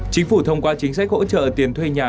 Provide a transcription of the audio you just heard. chính phủ thông qua chính sách hỗ trợ tiền thuê nhà